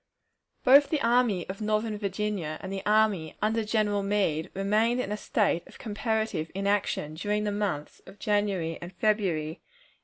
Both the Army of Northern Virginia and the army under General Meade remained in a state of comparative inaction during the months of January and February, 1864.